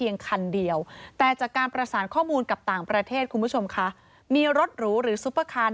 ในตัวคุณผู้ชมค่ะมีรถหรูหรือซุปเปอร์คาร